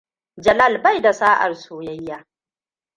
Jalal bai da sa'ar soyayya.